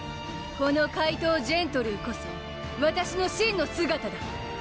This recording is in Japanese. この怪盗ジェントルーこそわたしの真の姿だ！